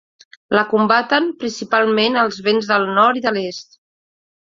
La combaten principalment els vents del nord i de l'est.